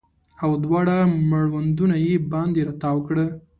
او دواړه مړوندونه یې باندې راتاو کړه